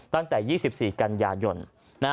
ตั้งแต่๒๔กรณญาณยนต์